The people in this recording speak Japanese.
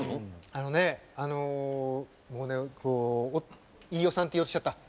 あのねあの飯尾さんって言おうとしちゃった。